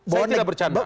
saya tidak bercanda